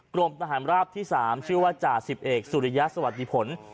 กรมทหารราบที่๓ชื่อว่าจ่าสิบเอกสุริยะสวัสดีผล